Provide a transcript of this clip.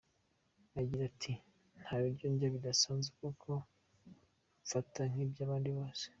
agira ati "nta biryo ndya bidasanzwe kuko mfata nk'iby'abandi bose.